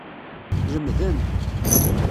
Lemden.